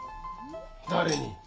誰に？